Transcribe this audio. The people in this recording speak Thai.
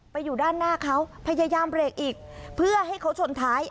อยู่ด้านหน้าเขาพยายามเบรกอีกเพื่อให้เขาชนท้าย